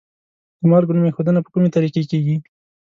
د مالګو نوم ایښودنه په کومې طریقې کیږي؟